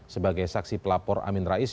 sebagai saksi pelapor amin rais